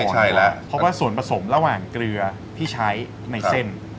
ใช่แล้วเพราะว่าส่วนผสมระหว่างเกลือที่ใช้ในเส้น